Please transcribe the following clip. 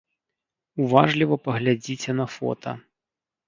Уважліва паглядзіце на фота.